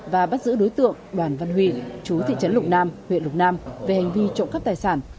và bắt giữ đối tượng đoàn văn huy chú thị trấn lục nam huyện lục nam về hành vi trộm cắp tài sản